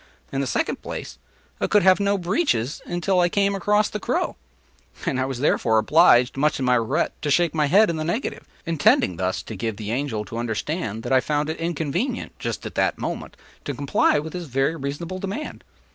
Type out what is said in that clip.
In the second place, I could have no breeches until I came across the crow. I was therefore obliged, much to my regret, to shake my head in the negative—intending thus to give the Angel to understand that I found it inconvenient, just at that moment, to comply with his very reasonable demand!